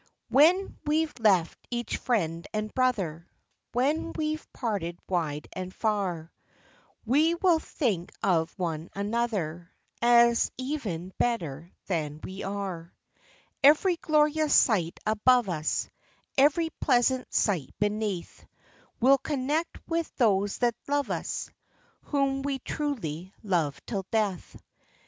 189 When we've left each friend and brother, When we've parted wide and far, We will think of one another, As even better than we are. Every glorious sight above us, Every pleasant sight beneath, We 'll connect with those that love us, Whom we truly love till death !